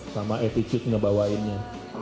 sama attitude ngebawainnya